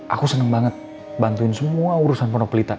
aku seneng banget bantuin semua urusan ponopolita